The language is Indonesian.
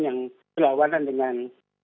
yang berlawanan dengan